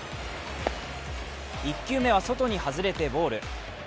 １球目は外に外れてボール。